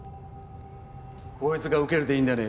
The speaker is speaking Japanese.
こいつが受けるでいいんだね？